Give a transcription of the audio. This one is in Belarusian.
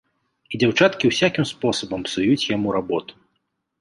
І дзяўчаткі ўсякім спосабам псуюць яму работу.